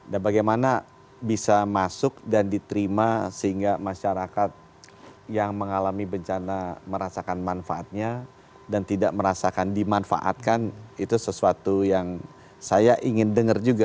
dan bagaimana bisa masuk dan diterima sehingga masyarakat yang mengalami bencana merasakan manfaatnya dan tidak merasakan dimanfaatkan itu sesuatu yang saya ingin dengar juga